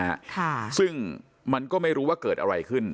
ค่ะซึ่งมันก็ไม่รู้ว่าเกิดอะไรขึ้น